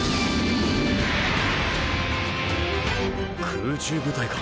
空中部隊か。